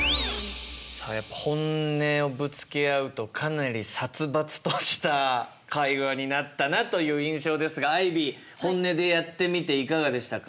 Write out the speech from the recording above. さあやっぱ本音をぶつけ合うとかなり殺伐とした会話になったなという印象ですがアイビー本音でやってみていかがでしたか？